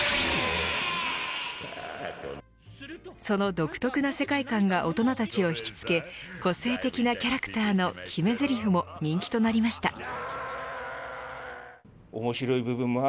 その独特な世界観が大人たちを引き付け個性的なキャラクターの決めゼリフも人気となりました。